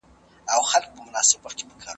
په ژوند کي به مو د ارامۍ فضا خپره وي.